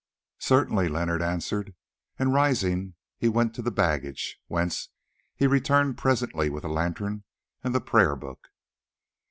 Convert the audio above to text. "Certainly," Leonard answered; and rising he went to the baggage, whence he returned presently with a lantern and the prayer book.